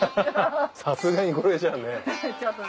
さすがにこれじゃあね。